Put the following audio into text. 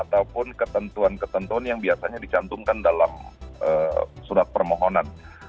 ataupun ketentuan ketentuan yang biasanya dicantumkan dalam surat permohonan